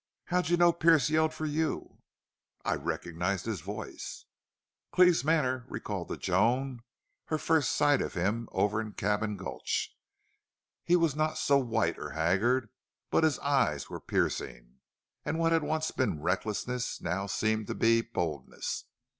"How'd you know Pearce yelled for you?" "I recognized his voice." Cleve's manner recalled to Joan her first sight of him over in Cabin Gulch. He was not so white or haggard, but his eyes were piercing, and what had once been recklessness now seemed to be boldness.